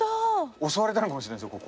襲われたのかもしれないですよ